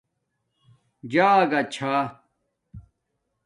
جاگہ چھݳ